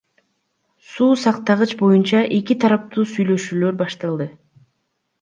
Суу сактагыч боюнча эки тараптуу сүйлөшүүлөр башталды.